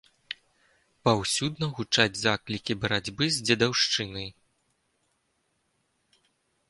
Паўсюдна гучаць заклікі барацьбы з дзедаўшчынай.